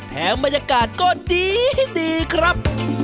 บรรยากาศก็ดีครับ